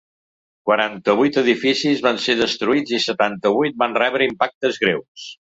Quaranta-vuit edificis van ser destruïts i setanta-vuit van rebre impactes greus.